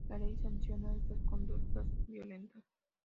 La ley sanciona estas conductas violentas"".